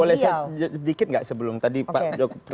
boleh sedikit gak sebelum tadi pak